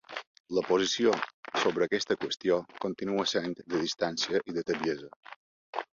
La posició sobre aquesta qüestió continua essent de distància i de tebiesa.